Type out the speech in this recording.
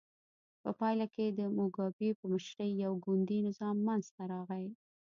په پایله کې د موګابي په مشرۍ یو ګوندي نظام منځته راغی.